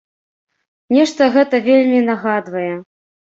Нешта гэта вельмі нагадвае.